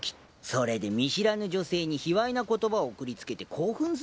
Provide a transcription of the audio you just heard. それで見知らぬ女性に卑猥な言葉を送りつけて興奮するんでしょう。